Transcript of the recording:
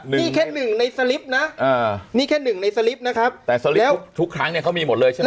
นี่แค่หนึ่งในสลิปนะนี่แค่หนึ่งในสลิปนะครับแต่สลิปทุกครั้งเนี่ยเขามีหมดเลยใช่ไหม